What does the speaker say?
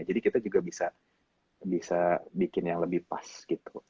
jadi kita juga bisa bikin yang lebih pas gitu